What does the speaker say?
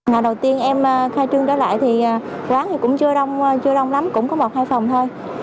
ngày đầu tiên em khai trương trở lại thì quán thì cũng chưa đông lắm cũng có một hai phòng thôi